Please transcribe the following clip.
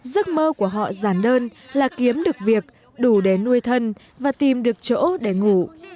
giấc mơ của họ giản đơn là kiếm được việc đủ để nuôi thân và tìm được chỗ để ngủ